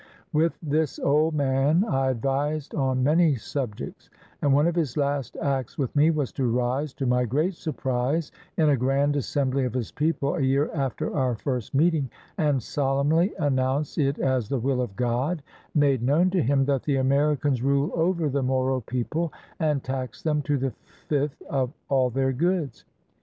With this old man I advised on many subjects, and one of his last acts with me was to rise, to my great surprise, in a grand assembly of his people a year after our first meeting, and solemnly announce it as the will of God, made known to him, that the Americans rule over the Moro people and tax them to the fifth of all their goods!